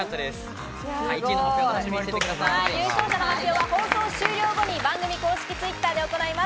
優勝者の発表は放送終了後に番組公式Ｔｗｉｔｔｅｒで行います。